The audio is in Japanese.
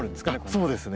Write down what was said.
そうですね。